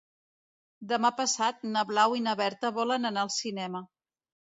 Demà passat na Blau i na Berta volen anar al cinema.